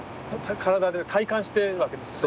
体で体感してるわけですね。